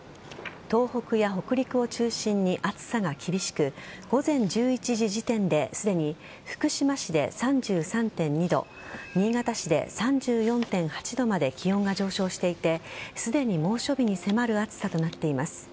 東北や北陸を中心に暑さが厳しく午前１１時時点ですでに福島市で３３．２度新潟市で３４．８度まで気温が上昇していてすでに猛暑日に迫る暑さとなっています。